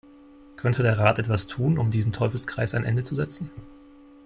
Könnte der Rat etwas tun, um diesem Teufelskreis ein Ende zu setzen?